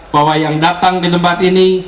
bahwa yang datang di tempat ini